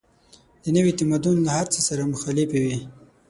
د نوي تمدن له هر څه سره مخالفې وې.